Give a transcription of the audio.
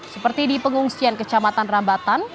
seperti di pengungsian kecamatan rambatan